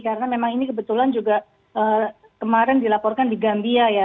karena memang ini kebetulan juga kemarin dilaporkan di gambia ya